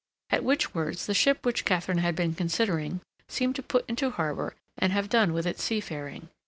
at which words the ship which Katharine had been considering seemed to put into harbor and have done with its seafaring.